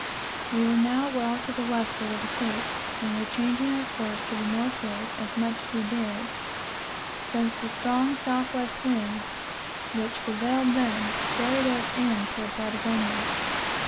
We were now well to the westward of the Cape and were changing our course to the northward as much as we dared, since the strong south west winds, which prevailed then, carried us in toward Patagonia.